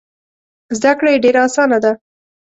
زده کړه یې ډېره اسانه ده.